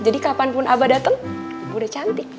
jadi kapanpun abah datang ibu udah cantik